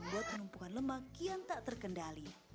buat penumpukan lemak yang tak terkendali